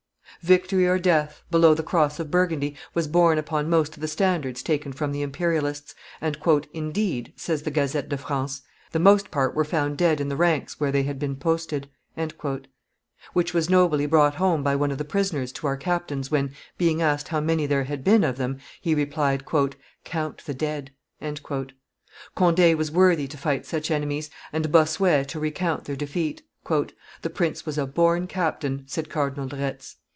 _] Victory or death, below the cross of Burgundy, was borne upon most of the standards taken from the Imperialists; and "indeed," says the Gazette de France, "the most part were found dead in the ranks where they had been posted. Which was nobly brought home by one of the prisoners to our captains when, being asked how many there had been of them, he replied, "Count the dead." Conde was worthy to fight such enemies, and Bossuet to recount their defeat. "The prince was a born captain," said Cardinal de Retz.